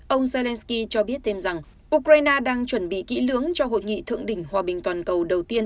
ông zelensky cho biết thêm rằng ukraine đang chuẩn bị kỹ lưỡng cho hội nghị thượng đỉnh hòa bình toàn cầu đầu tiên